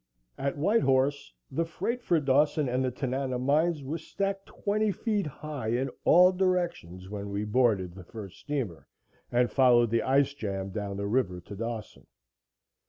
At White Horse the freight for Dawson and the Tanana mines was stacked twenty feet high in all directions when we boarded the first steamer and followed the ice jam down the river to Dawson.